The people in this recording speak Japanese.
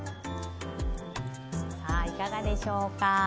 いかがでしょうか。